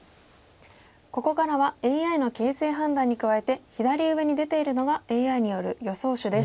ここからはＡＩの形勢判断に加えて左上に出ているのがＡＩによる予想手です。